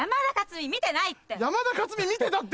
山田勝己見てたって！